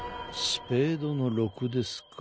スペードの６ですか。